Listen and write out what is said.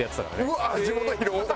うわっ地元広尾。